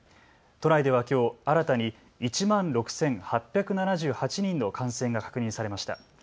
都内ではきょう新たに１万６８７８人の感染が確認されました。